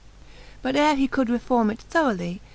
But ere he could reforme it thoroughly.